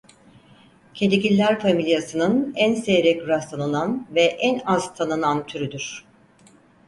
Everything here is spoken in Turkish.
Kedigiller familyasının en seyrek rastlanılan ve en az tanınan türüdür.